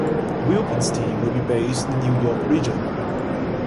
Wilpon's team will be based in the New York region.